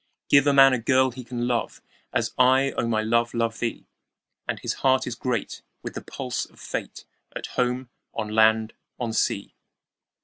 Give a man a girl he can love, As I, O my love, love thee; 10 And his heart is great with the pulse of Fate, At home, on land, on sea.